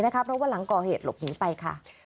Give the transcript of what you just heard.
เพราะว่าหลังก่อเหตุหลบหนีไปค่ะ